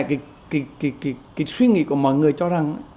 cái suy nghĩ của mọi người cho rằng